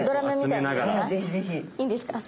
いいんですか？